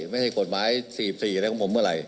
ไม่ใช่กฎหมาย๔๔อะไรของผมเมื่อไหร